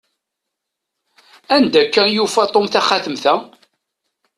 Anda akka i yufa Tom taxatemt-a?